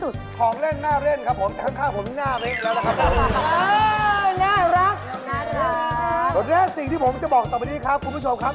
ตอนนี้สิ่งที่ผมจะบอกต่อไปนี้ครับคุณผู้ชมครับ